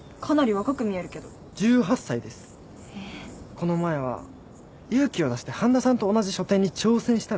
この前は勇気を出して半田さんと同じ書展に挑戦したんです。